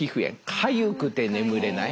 かゆくて眠れない。